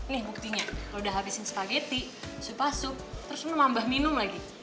nih buktinya lo udah habisin spageti supah sup terus mau nambah minum lagi